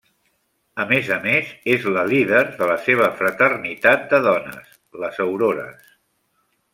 A més a més és la líder de la seva fraternitat de dones, Les Aurores.